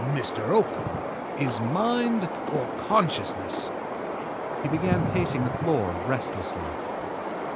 Life, Mr. Oakham, is mind or consciousness." He began pacing the floor restlessly.